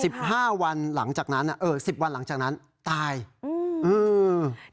สิบห้าวันหลังจากนั้นอ่ะเออสิบวันหลังจากนั้นตายอืมอืม